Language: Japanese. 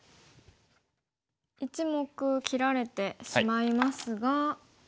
１目切られてしまいますが。